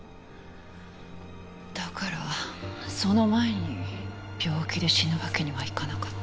だからその前に病気で死ぬわけにはいかなかった